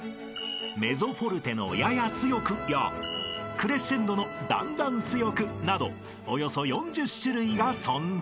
［メゾフォルテの「やや強く」やクレッシェンドの「だんだん強く」などおよそ４０種類が存在］